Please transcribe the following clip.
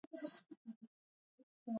غزني د افغان کورنیو د دودونو مهم عنصر دی.